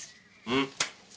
うん。